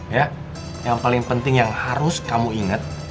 ya yang paling penting yang harus kamu ingat